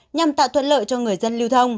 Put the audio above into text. nhằm tạo thuận lợi cho người dân lưu thông